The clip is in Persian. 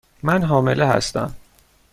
من حامله هستم.